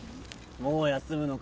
もう休むのかよ。